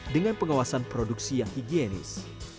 dengan pengawasan produksi yang higienis